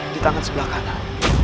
di tangan sebelah kanan